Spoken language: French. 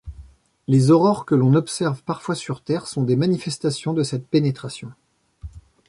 Les aurores que l'on observe parfois sur Terre sont des manifestations de cette pénétration.